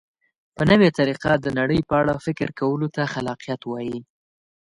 په نوې طریقه د نړۍ په اړه فکر کولو ته خلاقیت وایي.